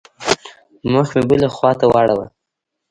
مخ مې بلې خوا ته واړاوه.